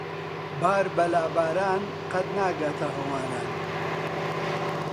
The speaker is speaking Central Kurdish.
بار بە لاباران قەت ناگاتە ھەواران.